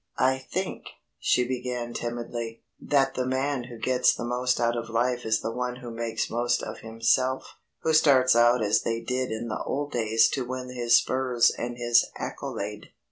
"I think," she began timidly, "that the man who gets the most out of life is the one who makes most of himself who starts out as they did in the old days to win his spurs and his accolade.